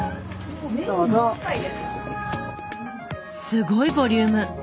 すごいボリューム！